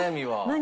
何？